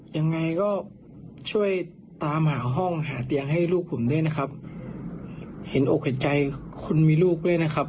ยังไงก็ช่วยตามหาห้องหาเตียงให้ลูกผมด้วยนะครับเห็นอกเห็นใจคนมีลูกด้วยนะครับ